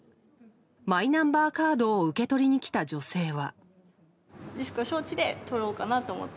マイナンバーカードを受け取りに来た女性は。